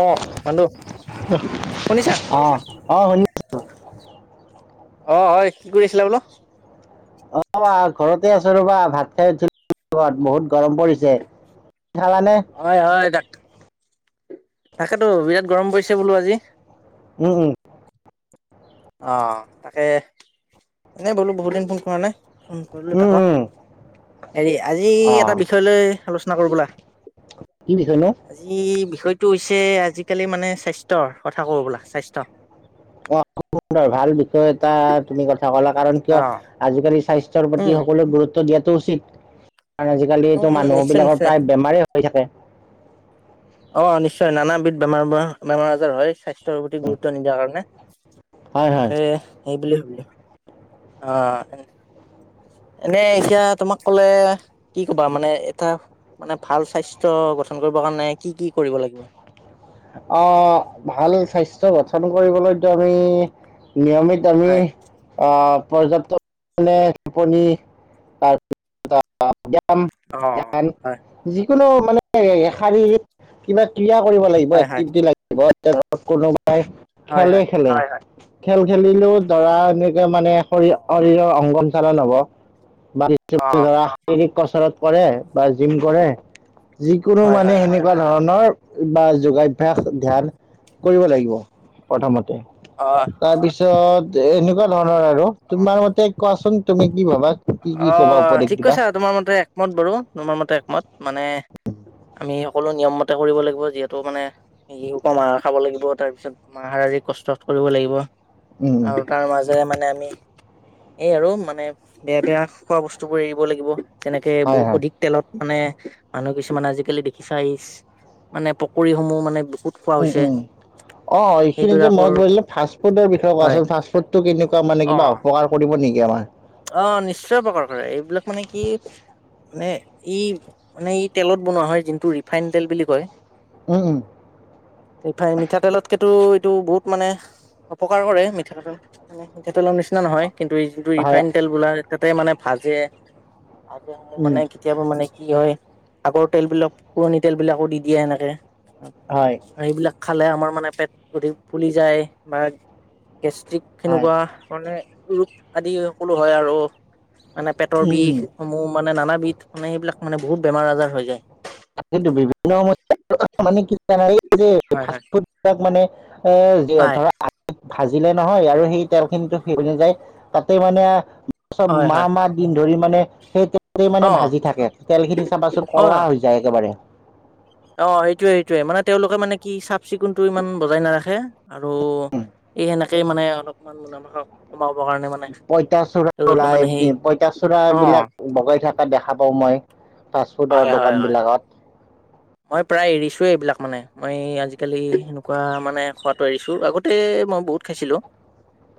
অহ, বন্ধো শুনিছা? অ অ শুনি অ, অ, কি কৰি আছিলা বোলো? অ, আ, ঘৰতে আছো ৰ'বা, ভাত খাই উঠিলো [unintelligible] বহুত গৰম পৰিছে। খালানে? হয়, হয়, তাক তাকেতো বিৰাট গৰম পৰিছে বোলো আজি। উম, উম। অ', তাকে এনেই বোলো বহুত দিন ফোন কৰা নাই। ফোন কৰিলোঁ তাক, উম উম হেৰি আজি অ এটা বিষয় লৈ আলোচনা কৰো ব'লা। কি বিষয় নো? আজি বিষয়টো হৈছে আজিকালি মানে স্বাস্থ্যৰ কথা কওঁ ব'লা স্বাস্থ্যৰ। অ', [unintelligible] সুন্দৰ ভাল বিষয় এটা তুমি কথা ক'লা, কাৰণ কিয় অ আজিকালি স্বাস্থ্যৰ প্ৰতি উম সকলোৱে গুৰুত্ব দিয়াটো উচিত, কাৰণ উম আজিকালিটো উম নিশ্চয় মানুহবিলাকৰ নিশ্চয় প্ৰায় বেমাৰেই হৈ থাকে। অ', নিশ্চয় নানবিধ বেমাৰ বা বেমাৰ আজাৰ হয়, স্বাস্থ্যৰ প্ৰতি গুৰুত্ব নিদিয়াৰ কাৰণে। হয় হয় তাকে সেই বুলি ভাবিলো অ'। এনে এতিয়া তোমাক ক'লে কি কবা? মানে এটা মানে ভাল স্বাস্থ্য গঠন কৰিব কাৰণে কি কি কৰিব লাগিব? আহ ভাল স্বাস্থ গঠন কৰিবলৈতো আমি নিয়মিত আমি হয় পৰ্যাপ্ত [unintelligible] টোপনি বা ব্যায়াম অ [unintelligible] হয় যিকোনো মানে শাৰীৰিক কিবা ক্ৰিয়া কৰিব লাগিব হয় হয় এক্টিভিটি লাগিব এতিয়া [unintelligible] কোনোবাই হয় খেলে হয় খেলে খেল খেলিলেও দৰা এনেক মানে অ শৰীৰ শৰীৰৰ অংগ সংচালন হ'ব। [unintelligible] ধৰা শাৰীৰিক কচৰৎত কৰে বা জিম কৰে যিকোনো হয় হয় মানে হয় সেনেকুৱা তেনেকুৱা ধৰণৰ বা যোগাভ্যাস ধ্যান কৰিব লাগিব প্ৰথমতে। অ তাৰপিছত এনেকুৱা ধৰণৰ আৰু, তোমাৰ মতে কোৱাচোন তুমি কি ভাবা? কি কি কবা অ', উপদেশ ঠিক দিবা কৈছা আৰু তোমাৰ মতে একমত বাৰু তোমাৰ মতে একমত মানে আমি সকলো নিয়ম মতে কৰিব লাগিব যিহেতু মানে স [unintelligible] কমাহ খাব লাগিব তাৰ পিছত মাহাৰ আজ কষ্ট কৰিব লাগিব উম আৰু তাৰ মাজেৰে মানে আমি এই আৰু মানে বেয়া বেয়া খোৱা বস্তুবোৰ এৰিব লাগিব তেনেকে হয় বহুত হয় অধিক তেলত মানে মানুহ কিছুমান আজিকালি দেখিচাই মানে পকৰিসমূহ মানে বহুত খোৱা উম হৈছে উম। অ', এইখিনিতে মই সেইবিলাকৰ গো ফাষ্টফুডৰ বিষয়ে হয় কোৱাচোন ফাষ্টফুডটো কেনেকুৱা মানে অ কিবা অপকাৰ কৰিব নেকি আমাৰ? অ', নিশ্চয় অপকাৰ কৰে, এইবিলাক মানে কি মানে ই মানে ই তেলত বনোৱা হয়, যোনটো ৰিফাইন তেল বুলি কয় উম উম। ৰিফাইন মিঠাতেলকেতকো এইটো বহুত মানে অপকাৰ কৰে মিঠাতেল মিঠাতেলৰ নিচিনা নহয় কিন্তু এই যটো হয়, ৰিফাইন তেল বোলা তাতেই মানে ভাজে [unintelligible] সমূহ উম, মানে কেতিয়াবা মানে কি হয় আগৰ তেলবিলাক পুৰণি তেলবিলাকো দি দিয়ে এনেকে হয়। আৰু সেইবিলাক খালে আমাৰ মানে পেট অদি ফুলি যায় বা গেষ্ট্ৰিক হয়, সনেকুৱা মানে ৰপ আদি সকলো হয় আৰু মানে পেটৰ উম, উম, বিষ সমূহ মানে নানাবিধ মানে সেইবিলাক মানে বহুত বেমাৰ আজাৰ হৈ যায়। কি বিভিন্ন [unintelligible] সমস্াৰ মানে কি এই যে হয় হয়। ফুড মানে এ হয় ধৰা ভাজিলে নহয় আৰু সেই তেলখিনিতো শেষ হৈ নাযায় তাতেই মানে চব হয় মা হয় মাহ দিন ধৰি মানে সেই তেলত [unintelligible] মানে অ ভাজি থাকে তেল খিনি চাবাচোন অ ক'লা হৈ য যায় একেবাৰে। অ', সেইটোয়ে সেইটোয়ে মানে তেওঁলোকে মানে কি চাফ চিকুণতটো ইমান বজাই নাৰাখে আৰু এই সেনেকেই মানে অলপমান মানে সোমাব কাৰণে পঁইতাচোড়া তেওঁলোকে ওলাই, মানে সেই পইতাচোড় অ বিলাক বগাই থকা দেখা পাওঁ, মই ফাষ্টফুডৰ হয়, হয়, হয়। দোকানবিলাকত মই প্ৰায় এৰিছোয়ে, এইবিলাক মানে মই আজিকালি সেনেকুৱা মানে, খোৱাটো এৰিছো আগত ততে মই বহুত খাইছিলোঁ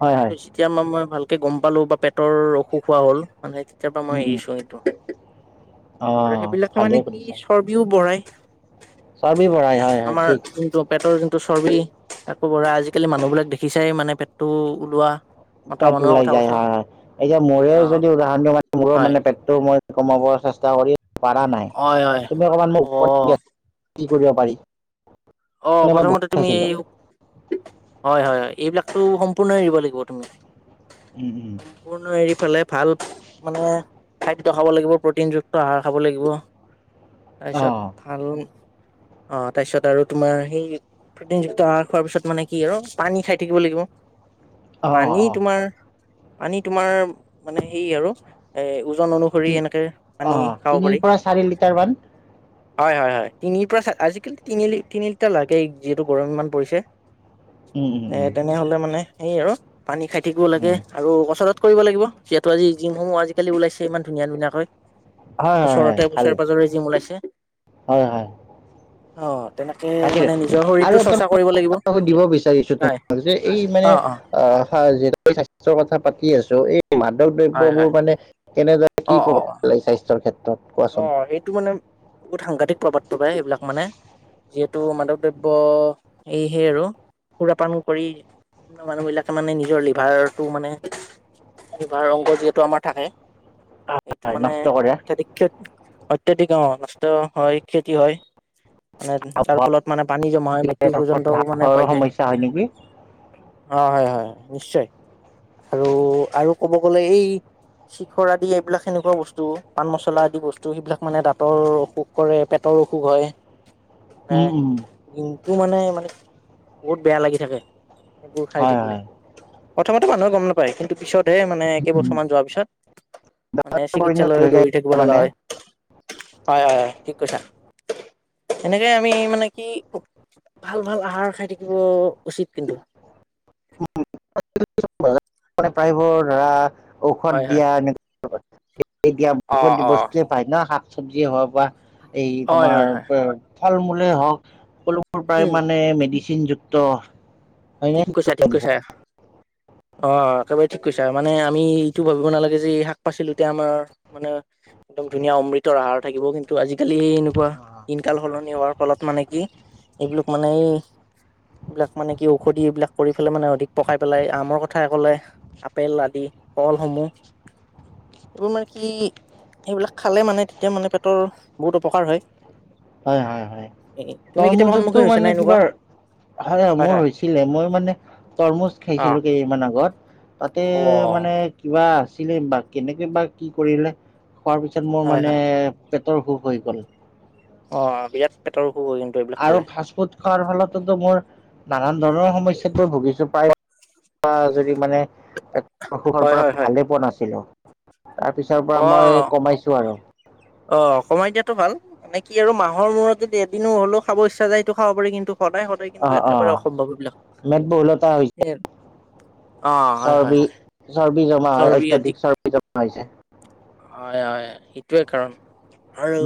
হয় হয় কিন্তু যেতিয়া মই, মই ভালকে গম পালো বা পেটৰ অসুখ হোৱা হ'ল মানে তেতিয়াৰ পৰা মই উম উম এৰিছো, সটো অ আৰু সেইবিলাকে মানে ভালেই কি চৰ্বিও বঢ়ায় চৰৰ্ম বঢ়ায় আমাৰ [unintelligible] পেটৰ যোনটো চৰ্বি আাকো, বঢ়া আজিকালি মানুহবিলাক দেখিছাই মানে পেটটো ওলোৱা মতা পেট মানুহৰ ওলাই কথা যায়, কৈছো, হয়, হয়, এতিয়া মোৰে অ', যদি উদাহৰণ দি মানে মূৰ হয়, মানে পেট মই কমাব চেষ্টা কৰি পৰা নাই, হয়, হয়। তুমি অকণমান মোক অ', ওপৰত কি কৰিব পাৰি অ', মানে মই বহুত প্ৰথমতে তুমি এই, খাইছিলোঁ হয় হয় হয়। এইবিলাকতো সম্পূৰ্ণ এৰিব লাগিব তুমি। উম উম। সম্পূৰ্ণ এৰি ফালে ভাল মানে খাদ্য খাব লাগিব, প্ৰটিনযুক্ত আহাৰ খাব লাগিব। অ তাৰপিছত ভাল অ', তাৰপিছত আৰু তোমাৰ সেই প্ৰটিনযুক্ত আহাৰ খোৱাৰ পিছত মানে, কি আৰু পানী খাই থাকিব লাগিব। অ পানী অ তোমাৰ পানী, তোমাৰ মানে সেই আৰু তি অনুসৰি, এনেকে অ পানী খাব তিনিৰ পাৰি। পৰা চাৰি লিটাৰ মান হয় হয় হয়, তিনিৰ পৰা আজিকালি তিনি লি তিনি লিটাৰ লাগেই, যিহেতু গৰম ইমান পৰিছে উম উম এ উম তেনেহ'লে মানে সেই আৰু পানী খাই থাকিব লাগে উম আৰু কচৰত কৰিব লাগিব। যিহেতু আজি জিমসমূহ আজিকালি ওলাইছে ইমান ধুনীয়া ধুনীয়াকৈ। হয় হয় হয় ওচৰতে ভাল ওচৰে পাজৰে জিম ওলাইছে। হয় হয় হম। তাকে আৰু লাগিব। [unintelligible] দিব বিচাৰিছো হয় তোমাক যে এই মানে অ', অ'। অহ, যিহেতু স্বাস্থ্যৰ কথা পাতি আছো এই মাদক হয়, হয়। দ্ৰব্যবোৰ মানে, কেনেদৰে কি অ', অ', প্ৰভাৱ পেলাই স্বাস্থ্যৰ ক্ষেত্ৰত কোৱাচোন। এইটো মানে বহুত সাংঘাটতিক প্ৰভাব পেলায় সেইবিলাক মানে। যিহেত টো মাদক দ্ৰব্য এইহে আৰু, সুৰাপান কৰি বিভিন্ন মানুহ বিলাকে মানে, নিজৰ লিভাৰটো মানে লিভাৰ অংগ যিহেতু আমাৰ থাকে, এইটো হয় মানে নষ্ট কৰে অত্যাধিক অত্যাধিক অ, নষ্ট হয় ক্ষতি হয়। মানে তাৰ হাঁওফাঁওৰ ফলত মানে পানী জমা হয়, মৃত্যু পৰ্যন্ত মানে পাই যায়। সমস্যা হয় নেকি অ', হয় হয় হয়, নিশ্চয় আৰু আৰু ক'ব গলে এই চিখৰ আদি এইবিলাক সেনেকুৱা বস্তু বোৰ, পান মচলা আদি বস্তু সেইবিলাক মানে দাঁতৰ অসুখ কৰে, পেটৰ অসুখ হয় ন। উম উম দিনটো মানে, মানে বহুত বেয়া লাগি থাকে সেইবোৰ খাই হয় থাকিলে। হয় প্ৰথমতে মানুহে গম পাই, কিন্তু পিছতহে মানে কেইবছৰ মান যোৱাৰ পিছত মানে পৰিণত চিকিৎসালয় হৈ যায় দৌৰি থাকিব লগা মানে হয়। হয় হয় হয়, ঠিক কৈছা। সেনেকেই আমি মানে কি খুব ভাল ভাল আহাৰ খাই থাকিব উচিত কিন্তু। [unintelligible] প্ৰায়বোৰ ধৰা হয় ঔষধ হয় দিয়া এ এতিয়া অ বহুত অ বস্তুৱে পায় ন শাক চবজি হওক বা এই হয় তোমাৰ হয় হয় ফল মূলেই হওক, সকলোবোৰ প্ৰায় উম মানে মেডিচিন যুক্ত। ত। ঠিক কৈছা, ঠিক কৈছা। অ', একেবাৰে ঠিক কৈচা। মানে আমি এইটো ভাবিব নালাগে যে শাক পাচলিতে আমাৰ মানে একদম ধুনীয়া অমৃতৰ আহাৰ থাকিব, কিন্তু আজিকালি। দিনকাল সলনি হোৱাৰ ফলত মানে কি এইবিলাক মানে এই এইবিলাক মানে কি ঔষধি এইবিলাক কৰি পেলাই, মানে অধিক পকাই পেলাই আমৰ কথাই ক'লে। আপেল আদি কলসমূহ এইবোৰ মানে কি এইবিলাক খালেই মানে, তেতিয়া মানে, পেটৰ বহুত উপকাৰ হয়। হয় হয় হয়। এ তুমি কেতিয়াবা ত'ৰমূজটো সন্মুখীন হৈছে নে মানে এনেকুৱা কিবা হ হয় মোৰ হয় হৈছিলে। মই মানে তৰমুজ খাইছিলো কেইদিনমান আগত। তাতে অ মানে কিবা আছিলে বা কেনেকে বা কি কৰিলে, খোৱাৰ পিছত মোৰ হয় মানে হয় পেটৰ অসুখ হৈ গ'ল। অ', বিৰাট পেটৰ অসুখ হয় কিন্তু। এইবিলাক আৰু খালে ফাষ্ট ফুড খোৱাৰ ফলতো মোৰ নানান ধৰণৰ সমস্যাত মই ভুগিছো প্ৰায় বা যদি মানে অসুখৰ হয় পৰা হয় হয় ভালেই পোৱা নাছিলোঁ, তাৰপিছৰ পৰা মই অ কমাইছোঁ আৰু। অ' কমাই দিয়াতো ভাল। মানে কি আৰু মাহৰ মূৰত যদি এদিনো হ'লেও খাব ইচ্ছা য়ায় সেইটো খাব পাৰি। কিন্তু সদায় সদায় কিন্তু অ অ একেবাৰে অসম্ভৱ এইবিলাক মেদ বহুলতা হৈছে সেয় চৰ্বি চৰ্বি জমা হয়। চৰ্বি অধিক অত্যাধিক চৰ্বি জমা হৈছে। হয় হয় সেইটোৱে কাৰণ,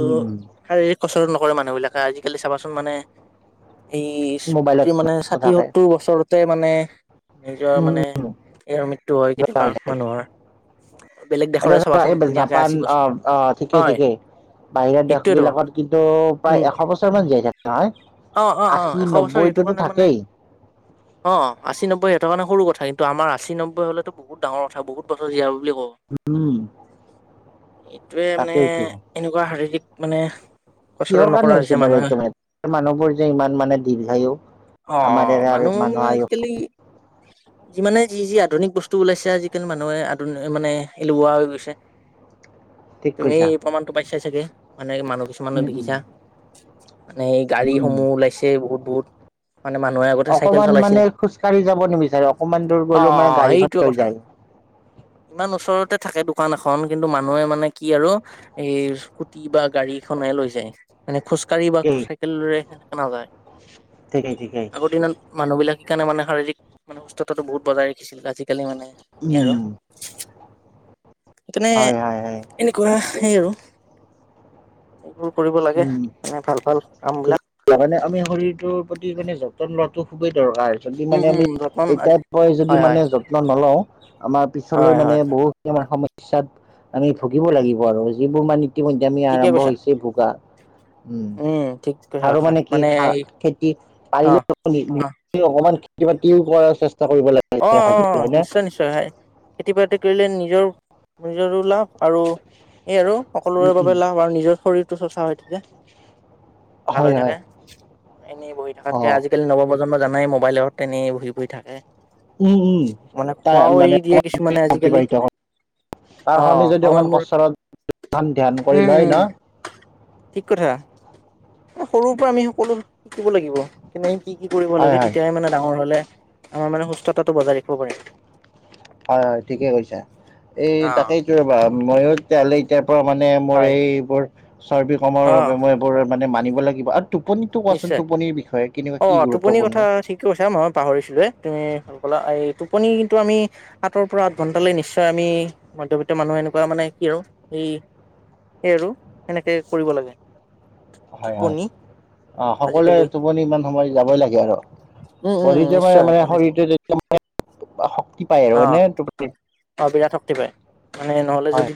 উম উম শাৰীৰিক কষ্টটো নকৰে মানুহবিলাকে আজিকালি চাবাচোন মানে এই মোবাইলত মানে ব্যস্ত ষাঠি থাকে সত্তৰ বছৰতে মানে নিজৰ মানে ইয়াৰ মৃত্যু হয়, হৈ কেতিয়াবা যায় মানুহৰ বেলেগ এতিয়া দেশৰে চোৱা, চাবাচোন এই ধুনীয়াকে জাপান আশী বছৰ অ' অ' ঠিকেই হয় ঠিকেই। বাহিৰৰ দেশ সেইটোয়েতো বিলাকত কিন্তু উম প্ৰায় এশ বছৰ মান জীয়াই থাকে নহয়। অ অ অ আশী এশ বছৰ সিহঁতৰ নব্বৈটোতো কাৰণে মানে থাকেই। অ' আশী, নব্বৈ সেতৰ কাৰণে সৰু কথা কিন্তু আমাৰ আশী, নব্বৈ হ'লেটো বহু বহুত ডাঙৰ কথা বহুত বছৰ জীয়াব হ বুলি কওঁ। উম এইটোৱে মানে, তাকেইতো এনেকুৱা শাৰীৰিক মানে কচৰৎ কিহৰ নকৰা কাৰণে হৈছে বাৰু মানুহে এইটো মানুহবোৰ যে, ইমান মানে দীৰ্ঘায়ু। অ' আমাৰ অ' ইয়াৰে আৰু মানুহৰ মানুহ মানে আয়ু আজিকালি যিমানে যি যি আধুনিক বস্তু ওলাইছে আজিকালি মানুহে আধুন মানে, এলেহোৱা হৈ গৈছে। ঠিক তুমি কৈছা প্ৰমাণটো পাইছাই চাগে। মানে মানুহ কিছুমানক উম, উম, দেখিছা মানে, এই উম, উম। গাড়ীসমূহ ওলাইছে বহুত বহুত। মানে মানুহে আগতে চাইকেল অকমান চলাইছিল। মানে খোজকাঢ়ি যাব নিবিচাৰে অকমান দূৰ অ' গ'লেও মানে অ' গাড়ীখন সেইটোয়ে লৈ কথা। যায় ইমান ওচৰতে থাকে, দোকান এখন খন কিন্তু মানুহে মানে কি আৰু এই স্কুটি বা গাড়ী খনে লৈ যায়। মানে খোজকাাঢ়ি বা খো এই চাইকেলৰে সেনেকে নাযায়। ঠিকেই ঠিকেই আগৰ দিনত মানুহবিলাক সেকাৰণে মানে, শাৰীক মানে সুস্থতাতো বহুত বজাই ৰাখিছিল। আজিকালি মানে এই আৰু উম্। সেইকাৰণে এনেকুৱা সেই আৰু। এইবোৰ কৰিব লাগে। মানে ভাল ভাল কামবিলাক। তাৰ মানে আমি শৰীৰটোৰ প্ৰতি মানে যত্ন লোৱাটো খুবেই দৰকাৰ। যদি উম মানে, আমি উম যতন আজি এতিয়াৰ পৰাই যদি হয় হয় মানে, যত্ন ন'লও আমাৰ পিছলৈ হয় হয় মানে হয় বহুত কিছুমান সমস্যাত আমি ভুগিব লাগিব ঠিক আৰু যিবোৰ মান ইতিমধ্যে আমি ঠিকে আৰম্ভ কৈছা হৈছে, ভোগা। উম ঠিক কৈছা আৰু কৈছা মানে কি খা এই খেতি অ পাৰিলে অ [unintelligible] অকমান খেতি বাতিও কৰাৰ চেষ্টা কৰিব লাগে। অ' অ' থাকিলে অ' হয়নে নিশ্চয় নিশ্চয় খেতি বাতি কৰিলে নিজৰ নিজৰো লাভ। আৰু এই আৰু উম সকলোৰে উম বাবে লাভ আৰু নিজৰ শৰীৰটো চৰ্চ্চা হয় থাকে। ভাল হয় হৈ হয় থাকে। এনেই বহি অ থাকাতকে আজি আজিকালি নৱপ্ৰজন্ম জানাই মোবাইলত এনে বহি বহি থাকে। উম্ উম্ মানে খোৱাও এৰি [unintelligible] দিয়ে কিছুমানে আজিকালি অবাহিত হয়। তাৰ অ সমি যদি সময় অকমান মোৰ কচত ধ্যান কৰি উম লয় ন উম ঠিক কথা সৰুৰ পৰা আমি সকলো শিকিব লাগিব তেনেি কি কি কৰিব হয় লাগে হয় তেতিয়াই মানে ডাঙৰ হলে আমাৰ মানে সুস্থতাটো বজাই ৰাখিব পাৰি হয় হয় ঠিকে কৈছা এই অ তাকে কবা মইত তেতিয়াহ'লে এতিয়াৰ পৰা মানে মোৰ হয় এইবোৰ চৰ্ব কমৰ অ বাবে মই এইবোৰ মানে মানিব লাগিব আৰু টোপনিতটো কোৱাচোন নিশ্চয় টোপনিৰ বিষয়ে কেনেকুৱা কি গুৰুত্বপূৰ্ণ কি কৈছা মই পাহৰিছিলোে তুমিা এই টোপনি কিন্তু আমি সাতৰ পৰা আঠ ঘণ্টালৈ নিশ্চয় আমি মধ্যবিত্ত মানুহে এনেকুৱা মানে কি আৰু এই স আৰু সেনেকৈ কৰিব লাগে হয় হয় টোপনি অ সকলোৱে আজিকালি টোপনি ইমান সময় যাবই লাগে আৰু উম উম বডিতে মানে নিশ্চয় মানে শৰীৰটো মে শক্তি পায় আৰু অ হয়নে অ বিৰাট শক্তি পায় মানে নহলে হয় যদি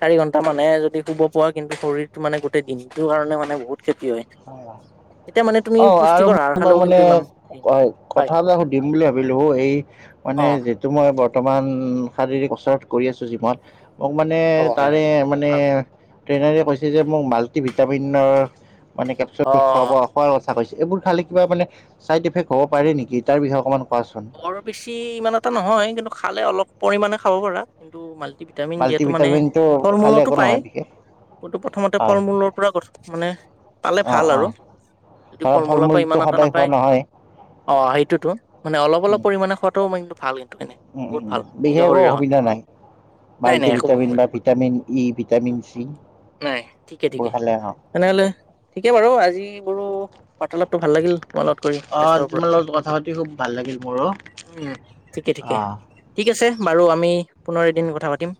চাৰি ঘন্টা মানে যদি শুব পোৱা কিন্তু শৰীৰটো মানে গোটেই দিনটোৰ কাৰণে মানে বহুত খ্ষতি হয় হয় তেতিয়া মানে তুমি অ আৰু পুষ্টিকৰ মই আহাৰ তোাক খালেও মানে কিন্তু ইমান হেৰি নহয়। হয় কথাাবিলাক সুধিম বুলি ভাবিলো এই অ মানে যিহেতটো মই বৰ্তমান শাৰীৰিক ওচৰত কৰি আছো জিৱত মোক মানে অ হয় তাৰে হয় মানে ভাল ট্ৰেইনাৰে কৈছে যে মোক মাল্টিভিটামিনৰ মানে কেপ উ খৱ অ খোৱাৰ কথা কৈছে এইবোৰ খালে কিবা মানে ছাইড এফেক্ট হ'ব পাৰে নেকি তাৰ বিষয়ে অকণমান কোৱাচোন বৰ বেছি ইমান এটা নহয় কিন্তু খালে অলপ পৰিমাণে খাব পাৰা কিন্তু মাল্টি ভিটামিন মাল্টি যিহেতটো মানে ভিটামিনটো ফল খালে মূলতো একো পায় নহয় বিশেষ এইটো প্ৰথমতে হয় ফল মূলৰ পৰা গ মানে পালে অ ভাল অ আৰু যদি ধৰা ফল মূলৰ পৰা মূলটো ইমান এটা সদায় খোৱা নাপায় নহয় অ সেইটোতো মানে অলপ উম, অলপ পৰিমাণে খোৱাাতটোও ম ভাল কিন্তু এনে উম বহুত উম ভাল বিশেষ নিজৰ একো শৰীৰৰ কাৰণে অসুবিধা নাই নাই মাল্টি নাই একো বস্তু ভিটামিন নাই বা ভিটামিন ই ভিটামিন চি ঠিকে বোৰ ঠিকে খালে অ তেনেহ'লে ঠিকে বাৰু আজি বোৰো বাৰ্তালাপটো ভাল লাগিল মই লগত কৰি স্বাস্থ্যৰ ওপৰত তাহাতি খুব ভাল লাগিল মোৰো উম ঠিকে ঠিকে অ ঠিক আছে বাৰু আমি পুনৰ এদিন কথা পাতিম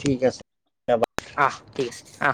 ঠিক আছে আহ ঠিক আছে অ